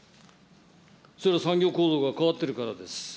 それは産業構造が変わってるからです。